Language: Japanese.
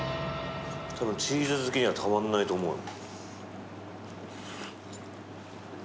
多分チーズ好きにはたまらないと思うよ。